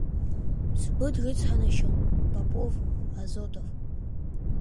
Сгәы дрыцҳанашьон Попов-Азотов.